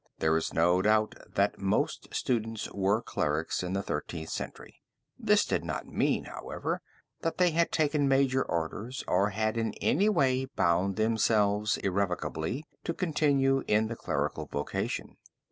There is no doubt that most students were clerics in the Thirteenth Century. This did not mean, however, that they had taken major orders or had in any way bound themselves irrevocably to continue in the clerical vocation.